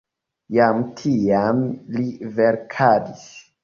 Jam tiam li verkadis.